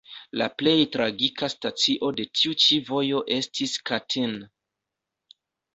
La plej tragika stacio de tiu ĉi vojo estis Katin.